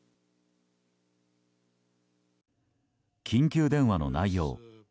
緊急電話の内容